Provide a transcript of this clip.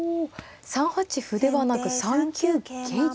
３八歩ではなく３九桂と。